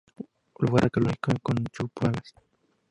Lugar arqueológico con chullpas.